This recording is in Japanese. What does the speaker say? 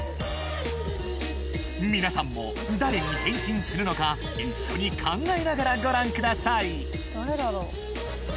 皆さんも誰に変身するのか一緒に考えながらご覧ください